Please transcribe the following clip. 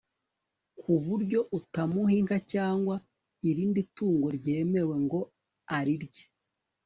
ku buryo utamuha inka cyangwa irindi tungo ryemewe ngo arirye